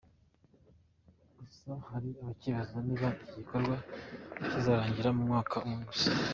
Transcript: Gusa hari abakibaza niba iki gikorwa kizarangira mu mwaka umwe gusa.